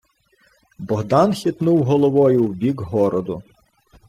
Богдан хитнув головою в бік городу.